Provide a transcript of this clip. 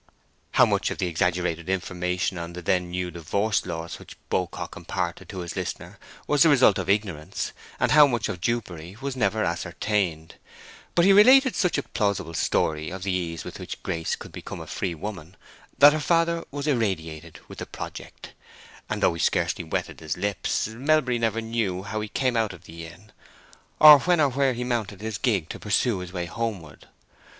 How much of the exaggerated information on the then new divorce laws which Beaucock imparted to his listener was the result of ignorance, and how much of dupery, was never ascertained. But he related such a plausible story of the ease with which Grace could become a free woman that her father was irradiated with the project; and though he scarcely wetted his lips, Melbury never knew how he came out of the inn, or when or where he mounted his gig to pursue his way homeward.